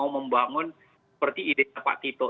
mau membangun seperti ide pak tito